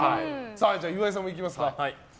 岩井さんもいきますか。